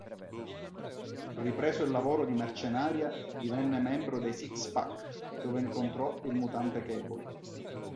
Ripreso il lavoro di mercenaria, divenne membro dei "Six-Pack" dove incontrò il mutante Cable.